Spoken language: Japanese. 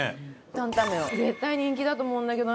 担担麺は絶対人気だと思うんだけど。